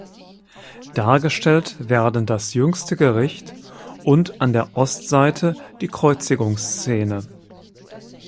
Dargestellt werden das Jüngste Gericht und an der Ostseite die Kreuzigungsszene.